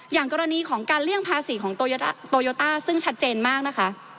อย่างกรณีของการเลี่ยงภาษีของโตโยต้าซึ่งชัดเจนมากนะคะ